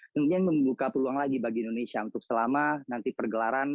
kemudian membuka peluang lagi bagi indonesia untuk selama nanti pergelaran